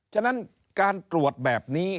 ฉะนั้นการตรวจแบบนี้